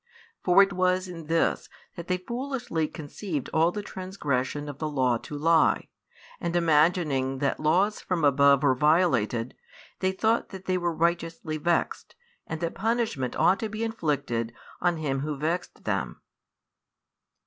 For it was in this that they foolishly conceived all the transgression of the law to lie, and imagining that laws from above were violated, they thought they were righteously vexed, and that punishment ought to be inflicted on Him Who vexed them.